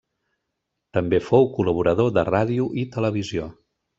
També fou col·laborador de ràdio i televisió.